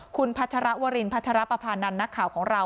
คุณพัชรวรินพัชรปภานันทร์นักข่าวของเรา